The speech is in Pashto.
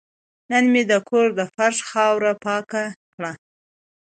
نن مې د کور د فرش خاوره پاکه کړه.